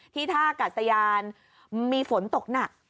ท่ากัดสยานมีฝนตกหนัก